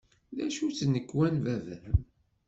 D acu-tt tnekwa n baba-m?